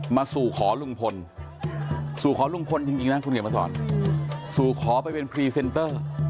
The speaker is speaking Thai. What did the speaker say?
มาสู่คอลุงพลสู่ขอลุงพลจริงนะสู่คอไปเป็นพรีเซ็นเตอร์